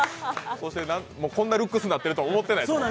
こんなルックスになってると思ってないから。